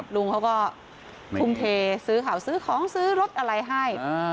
ลุงเขาก็ทุ่มเทซื้อข่าวซื้อของซื้อรถอะไรให้